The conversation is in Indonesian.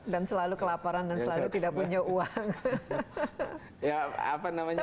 dan selalu kelaparan dan selalu tidak punya uang